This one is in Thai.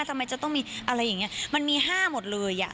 ทำไมจะต้องมีอะไรอย่างเงี้ยมันมีห้าหมดเลยอ่ะ